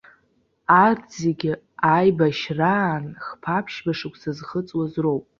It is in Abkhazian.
Арҭ зегь аибашьраан хԥа-ԥшьба шықәса зхыҵуаз роуп.